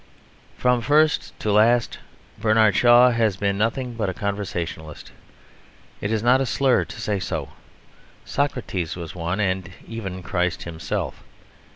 From first to last Bernard Shaw has been nothing but a conversationalist. It is not a slur to say so; Socrates was one, and even Christ Himself.